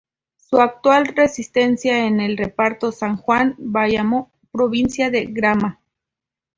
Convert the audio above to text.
Su actual residencia es en el reparto San Juan, Bayamo, provincia de Granma.